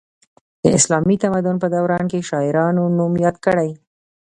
د اسلامي تمدن په دوران کې شاعرانو نوم یاد کړی.